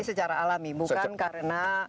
jadi secara alami bukan karena